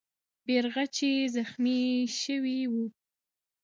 بیرغچی زخمي سوی وو.